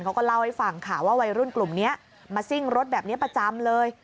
เขาก็เล่าให้ฟังค่ะว่าวัยรุ่นกลุ่มนี้มาซิ่งรถแบบนี้ประจำเลย